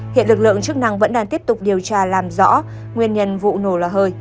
hiện lực lượng chức năng vẫn đang tiếp tục điều tra làm rõ nguyên nhân vụ nổ lò hơi